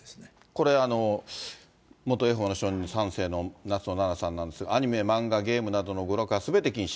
これ、元エホバの証人３世の夏野ななさんなんですが、アニメ、漫画、ゲームなどの娯楽はすべて禁止。